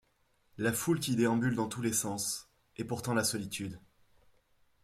La foule qui déambule dans tous les sens... et pourtant la solitude.